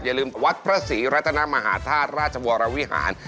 อย่าลืมวัดพระศรีรัตนมหาธาตุราชวรวิหาร